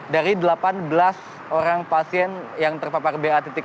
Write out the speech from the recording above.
dari delapan belas orang pasien yang terpapar ba lima